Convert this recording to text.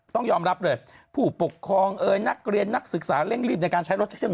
ต้องยอมรับเลยผู้ปกครองเอ่ยนักเรียนนักศึกษาเร่งรีบในการใช้รถเช็คใช่ไหม